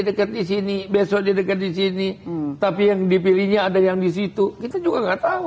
deket di sini besok di deket di sini tapi yang dipilihnya ada yang disitu kita juga nggak tahu